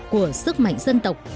của sức mạnh dân tộc